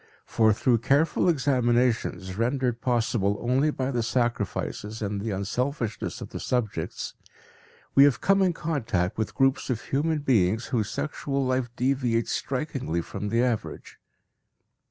For through careful examinations, rendered possible only by the sacrifices and the unselfishness of the subjects, we have come in contact with groups of human beings whose sexual life deviates strikingly from the average.